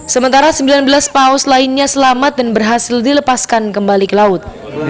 sementara sembilan belas paus lainnya selamat dan berhasil dilepaskan kembali ke laut